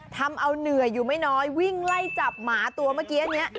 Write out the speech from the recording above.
ทำเอาเหนื่อยอยู่ไม่น้อยวิ่งไล่จับหมาตัวเมื่อกี้นี้